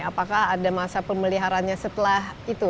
apakah ada masa pemeliharanya setelah itu